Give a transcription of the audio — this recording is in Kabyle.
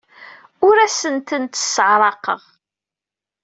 Ur asent-tent-sseɛraqeɣ.